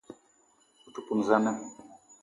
O te poun za na?